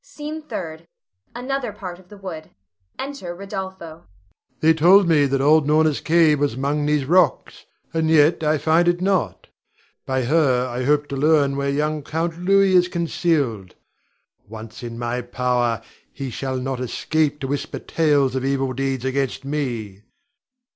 SCENE THIRD. [Another part of the wood. Enter Rodolpho.] Rod. They told me that old Norna's cave was 'mong these rocks, and yet I find it not. By her I hope to learn where young Count Louis is concealed. Once in my power, he shall not escape to whisper tales of evil deeds against me.